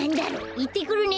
いってくるね。